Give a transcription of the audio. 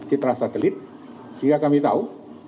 citra satelit sehingga kami tahu